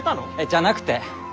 じゃなくて。